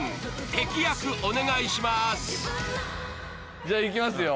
敵役お願いしますじゃあいきますよ